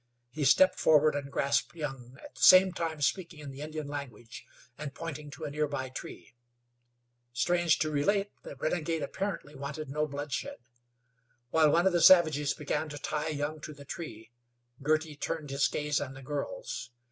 He stepped forward and grasped Young, at the same time speaking in the Indian language and pointing to a nearby tree. Strange to relate, the renegade apparently wanted no bloodshed. While one of the savages began to tie Young to the tree, Girty turned his gaze on the girls.